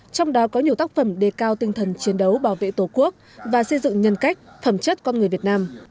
trong đó có nhiều tác phẩm đề cao tinh thần chiến đấu bảo vệ tổ quốc và xây dựng nhân cách phẩm chất con người việt nam